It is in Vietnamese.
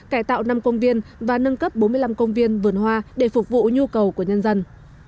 cải tạo năm công viên và nâng cấp bốn mươi năm công viên vườn hoa để phục vụ nhu cầu của nhân dân